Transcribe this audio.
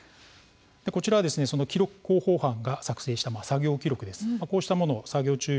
こちらは記録、広報班が作成した作業記録です。